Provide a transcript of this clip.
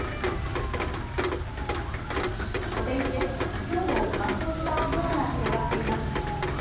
今日も乾燥した青空が広がっています。